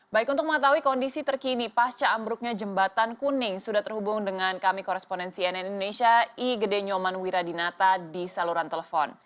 baik untuk mengetahui kondisi terkini pasca ambruknya jembatan kuning sudah terhubung dengan kami korespondensi nn indonesia i gede nyoman wiradinata di saluran telepon